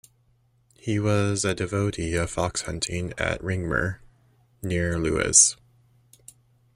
He was a devotee of fox hunting at Ringmer, near Lewes.